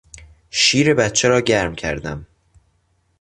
شیر بچه را گرم کردم.